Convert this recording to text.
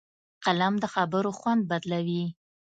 قلم د خبرو خوند بدلوي